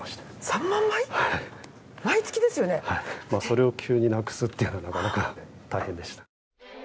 それを急になくすっていうのがなかなか大変でした。